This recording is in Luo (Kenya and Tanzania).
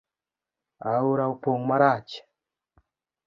Aora opong marach.